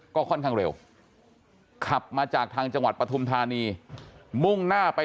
ก็ค่อนข้างเร็วขับมาจากทางจังหวัดปฐุมธานีมุ่งหน้าไป